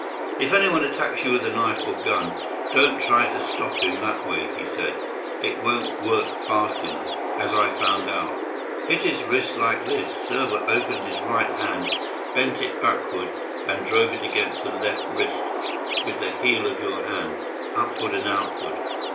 "If anyone attacks you with a knife or gun, don't try to stop him that way," he said. "It won't work fast enough, as I found out. Hit his wrist like this"—Serbot opened his right hand, bent it backward, and drove it against his left wrist—"with the heel of your hand, upward and outward.